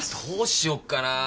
どうしよっかな？